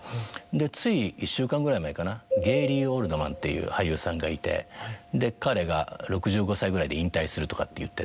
つい１週間ぐらい前かなゲイリー・オールドマンっていう俳優さんがいて彼が６５歳ぐらいで引退するとかって言ってて。